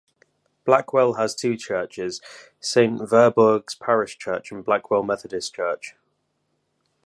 Blackwell has two churches: Saint Werburgh's Parish Church and Blackwell Methodist Church.